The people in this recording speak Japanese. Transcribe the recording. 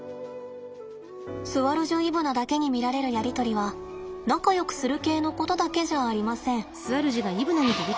スアルジュイブナだけに見られるやり取りは仲よくする系のことだけじゃありません。